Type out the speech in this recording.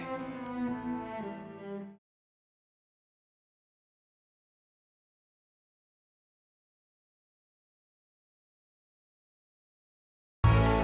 sepuluh pria menungguona menthose barita tercintanya menggunakan mst